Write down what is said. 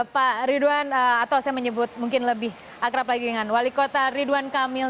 pak ridwan atau saya menyebut mungkin lebih akrab lagi dengan wali kota ridwan kamil